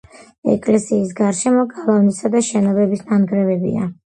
ეკლესიის გარშემო გალავნისა და შენობების ნანგრევებია.